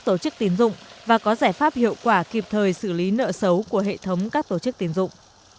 tổ chức tiến dụng và có giải pháp hiệu quả kịp thời xử lý nợ xấu của hệ thống các tổ chức tiến dụng